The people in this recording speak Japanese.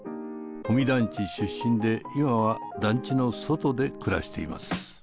保見団地出身で今は団地の外で暮らしています。